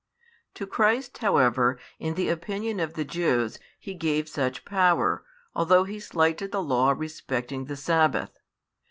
To Christ, however, in the opinion of the Jews, He gave such power, although He slighted the law respecting the sabbath.